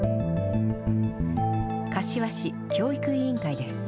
柏市教育委員会です。